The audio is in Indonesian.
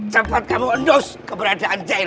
cepat kamu endus keberadaan jahil